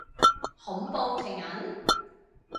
恐怖情人？